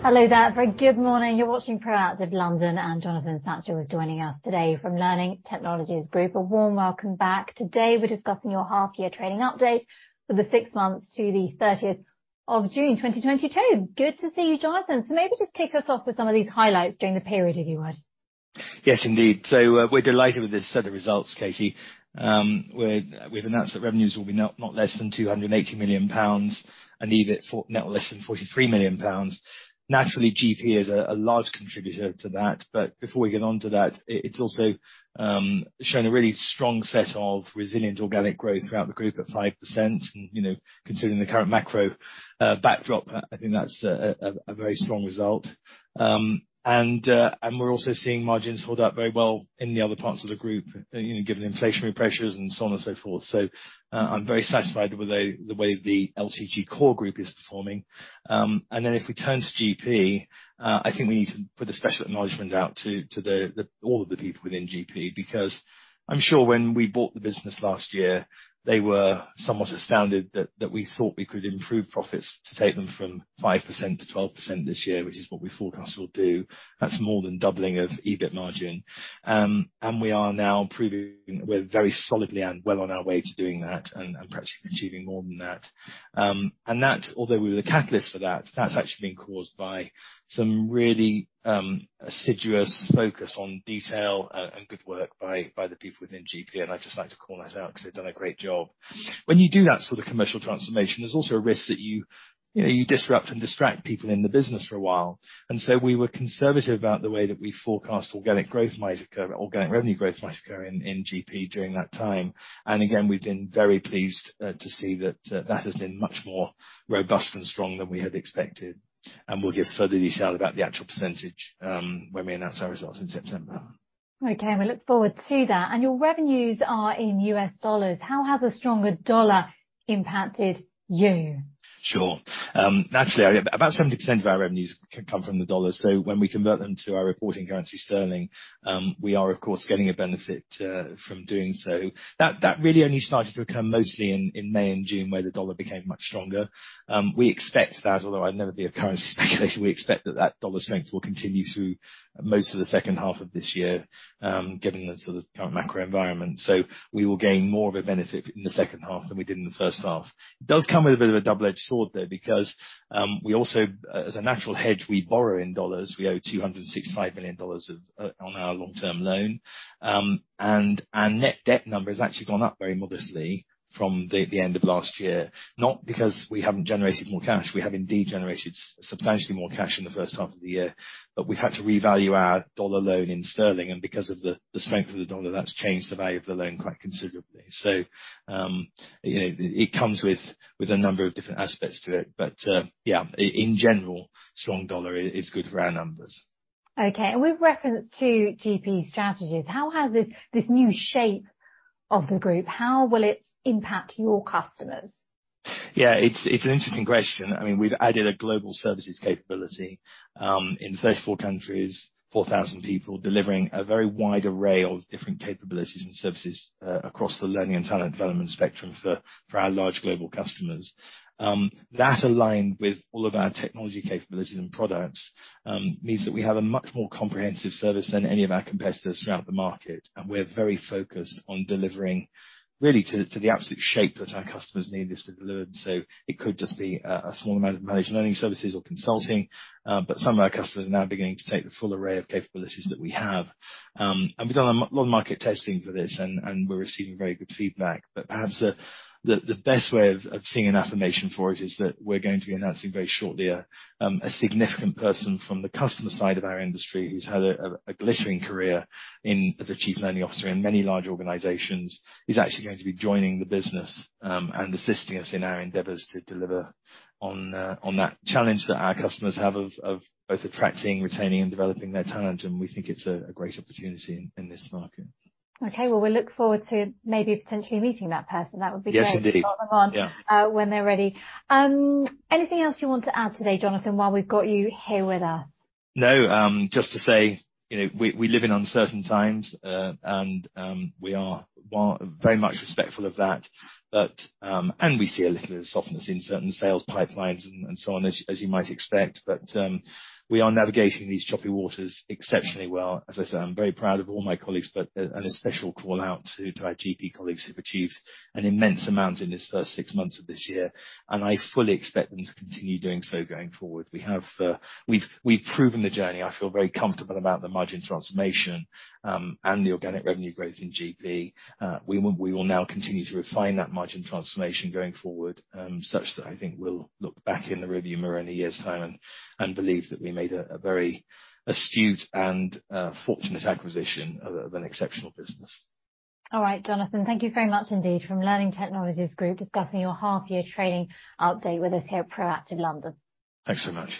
Hello there. Very good morning. You're watching Proactive London, and Jonathan Satchell is joining us today from Learning Technologies Group. A warm welcome back. Today, we're discussing your half-year trading update for the six months to the 30th of June, 2022. Good to see you, Jonathan. Maybe just kick us off with some of these highlights during the period, if you would. Yes, indeed. We're delighted with this set of results, Katie. We've announced that revenues will be not less than 280 million pounds and EBIT of not less than 43 million pounds. Naturally, GP is a large contributor to that. Before we get onto that, it's also shown a really strong set of resilient organic growth throughout the group at 5%. You know, considering the current macro backdrop, I think that's a very strong result. We're also seeing margins hold up very well in the other parts of the group, you know, given the inflationary pressures and so on and so forth. I'm very satisfied with the way the LTG core group is performing. If we turn to GP, I think we need to put a special acknowledgement out to all of the people within GP. Because I'm sure when we bought the business last year, they were somewhat astounded that we thought we could improve profits to take them from 5%-12% this year, which is what we forecast we'll do. That's more than doubling of EBIT margin. We are now proving we're very solidly and well on our way to doing that and perhaps achieving more than that. Although we were the catalyst for that's actually been caused by some really assiduous focus on detail and good work by the people within GP, and I'd just like to call that out because they've done a great job. When you do that sort of commercial transformation, there's also a risk that you know, you disrupt and distract people in the business for a while. We were conservative about the way that we forecast organic growth might occur, organic revenue growth might occur in GP during that time. We've been very pleased to see that has been much more robust and strong than we had expected, and we'll give further details about the actual percentage when we announce our results in September. Okay, we look forward to that. Your revenues are in U.S. dollars. How has a stronger dollar impacted you? Sure. Actually, about 70% of our revenues come from the dollar, so when we convert them to our reporting currency, sterling, we are, of course, getting a benefit from doing so. That really only started to occur mostly in May and June, where the dollar became much stronger. We expect that, although I'd never be a currency speculator, we expect that dollar strength will continue through most of the second half of this year, given the sort of current macro environment. We will gain more of a benefit in the second half than we did in the first half. It does come with a bit of a double-edged sword, though, because we also, as a natural hedge, we borrow in dollars. We owe $265 million on our long-term loan. Our net debt number has actually gone up very modestly from the end of last year, not because we haven't generated more cash. We have indeed generated substantially more cash in the first half of the year. We've had to revalue our dollar loan in sterling, and because of the strength of the dollar, that's changed the value of the loan quite considerably. You know, it comes with a number of different aspects to it. Yeah, in general, strong dollar is good for our numbers. Okay. With reference to GP Strategies, how has this new shape of the group, how will it impact your customers? Yeah, it's an interesting question. I mean, we've added a global services capability in 34 countries, 4,000 people delivering a very wide array of different capabilities and services across the learning and talent development spectrum for our large global customers. That aligned with all of our technology capabilities and products means that we have a much more comprehensive service than any of our competitors throughout the market, and we're very focused on delivering really to the absolute shape that our customers need this to deliver. It could just be a small amount of managed learning services or consulting, but some of our customers are now beginning to take the full array of capabilities that we have. We've done a lot of market testing for this, and we're receiving very good feedback. Perhaps the best way of seeing an affirmation for it is that we're going to be announcing very shortly a significant person from the customer side of our industry who's had a glittering career in as a Chief Learning Officer in many large organizations. He's actually going to be joining the business and assisting us in our endeavours to deliver on that challenge that our customers have of both attracting, retaining, and developing their talent, and we think it's a great opportunity in this market. Okay. Well, we look forward to maybe potentially meeting that person. That would be great. Yes, indeed. To welcome on when they're ready. Anything else you want to add today, Jonathan, while we've got you here with us? No, just to say, you know, we live in uncertain times, and we are very much respectful of that, but we see a little softness in certain sales pipelines and so on, as you might expect. We are navigating these choppy waters exceptionally well. As I said, I'm very proud of all my colleagues, and a special call-out to our GP colleagues who've achieved an immense amount in this first six months of this year, and I fully expect them to continue doing so going forward. We've proven the journey. I feel very comfortable about the margin transformation and the organic revenue growth in GP. We will now continue to refine that margin transformation going forward, such that I think we'll look back in the rear-view mirror in a year's time and believe that we made a very astute and fortunate acquisition of an exceptional business. All right, Jonathan. Thank you very much indeed. From Learning Technologies Group, discussing your half-year trading update with us here at Proactive London. Thanks so much.